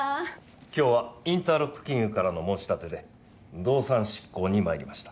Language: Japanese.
今日はインターロック金融からの申し立てで動産執行に参りました。